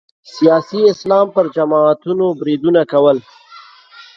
سیاسي اسلام پر جماعتونو بریدونه کول